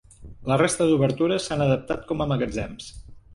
La resta d'obertures s'han adaptat com a magatzems.